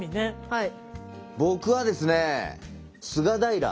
はい。